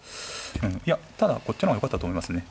いやただこっちの方がよかったと思いますね。